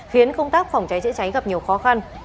khiến công tác phòng cháy chữa cháy gặp nhiều khó khăn